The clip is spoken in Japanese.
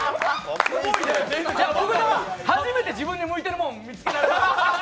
僕、初めて自分に向いてるもん、見つけられました。